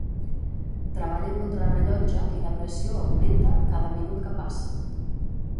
Treballen contra rellotge i la pressió augmenta cada minut que passa.